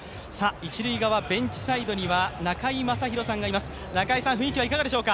一塁側ベンチサイドには中居正広さんがいます。